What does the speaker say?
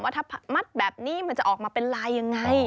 ถ้ามัดแบบนี้มันจะออกมาเป็นลายยังไง